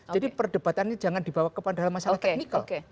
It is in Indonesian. jadi perdebatannya jangan dibawa ke masalah teknikal